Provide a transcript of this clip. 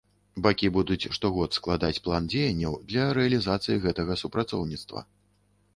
Бакі будуць штогод складаць план дзеянняў для рэалізацыі гэтага супрацоўніцтва.